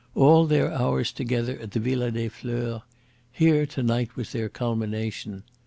All their hours together at the Villa des Fleurs here to night was their culmination.